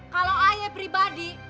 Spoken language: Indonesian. kalau ayah pribadi